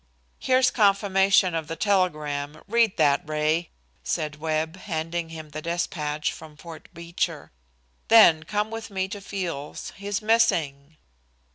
"Here's confirmation of the telegram. Read that, Ray," said Webb, handing him the despatch from Fort Beecher. "Then come with me to Field's. He's missing."